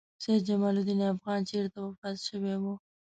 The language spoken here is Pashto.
سیدجمال الدین افغان چېرته وفات شوی و؟